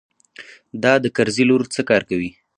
دا د کرزي لور څه کار کوي.